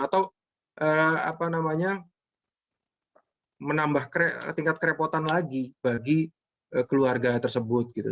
atau apa namanya menambah tingkat kerepotan lagi bagi keluarga tersebut gitu